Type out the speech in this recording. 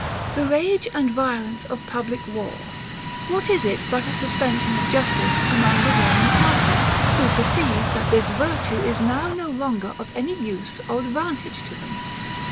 The rage and violence of public war; what is it but a suspension of justice among the warring parties, who perceive, that this virtue is now no longer of any USE or advantage to them?